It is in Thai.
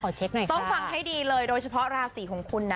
ขอเช็คหน่อยค่ะต้องฟังให้ดีเลยโดยเฉพาะราศรีของคุณนะ